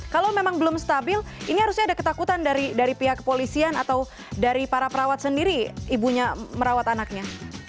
kalau memang belum stabil ini harusnya ada ketakutan dari pihak kepolisian atau dari para perawat sendiri ibunya merawat anaknya